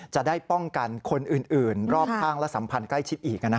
จะได้ป้องกันคนอื่นรอบข้างและสัมพันธ์ใกล้ชิดอีก